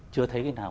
chưa thấy cái nào